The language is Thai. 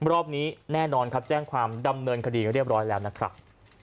รอบนี้แน่นอนครับแจ้งความดำเนินคดีเรียบร้อยแล้วนะครับ